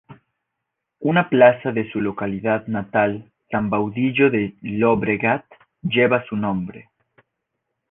Una plaza de su localidad natal, San Baudilio de Llobregat, lleva su nombre.